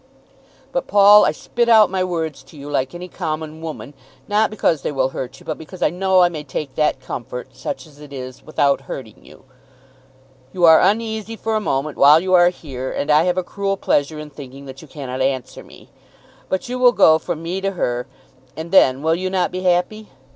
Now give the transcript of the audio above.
"But, Paul, I spit out my words to you, like any common woman, not because they will hurt you, but because I know I may take that comfort, such as it is, without hurting you. You are uneasy for a moment while you are here, and I have a cruel pleasure in thinking that you cannot answer me. But you will go from me to her, and then will you not be happy?